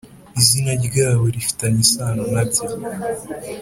izina ryabo rifitanye isano nabyo